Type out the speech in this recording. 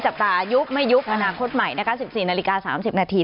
จับตายุบไม่ยุบอนาคตใหม่นะคะ๑๔นาฬิกา๓๐นาที